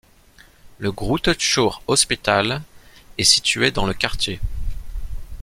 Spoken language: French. Le Groote Schuur Hospital est situé dans le quartier.